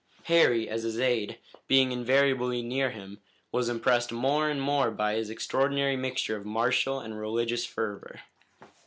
Harry, as his aide, being invariably near him, was impressed more and more by his extraordinary mixture of martial and religious fervor.